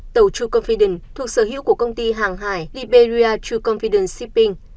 tàu true confidence thuộc sở hữu của công ty hàng hải liberia true confidence shipping